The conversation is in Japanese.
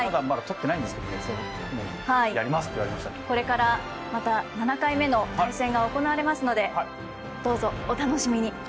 これからまた７回目の対戦が行われますのでどうぞお楽しみに。